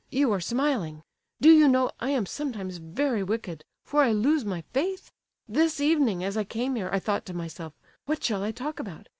You are smiling. Do you know, I am sometimes very wicked—for I lose my faith? This evening as I came here, I thought to myself, 'What shall I talk about?